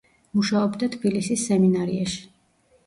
მუშაობდა თბილისის სემინარიაში.